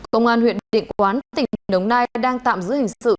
công an huyện định quán tỉnh đồng nai đang tạm giữ hình sự